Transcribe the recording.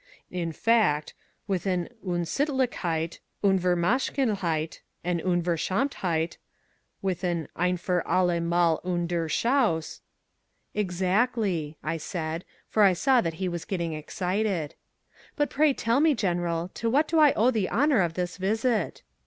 "In fact, with an Unsittlichkeit an Unverschamtheit with an Ein fur alle mal un dur chaus " "Exactly," I said, for I saw that he was getting excited, "but pray tell me, General, to what do I owe the honour of this visit?"